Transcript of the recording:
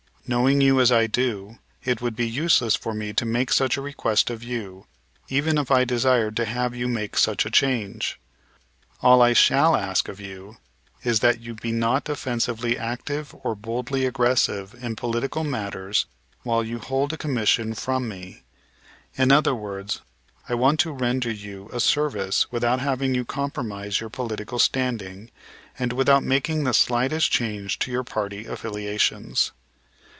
Knowing you as I do, it would be useless for me to make such a request of you even if I desired to have you make such a change. All I shall ask of you is that you be not offensively active or boldly aggressive in political matters while you hold a commission from me. In other words, I want to render you a service without having you compromise your political standing, and without making the slightest change in your party affiliations.